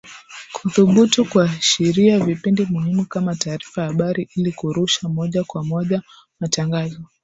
kuthubutu kuahirisha vipindi muhimu kama taarifa ya habari ili kurusha moja kwa moja matangazo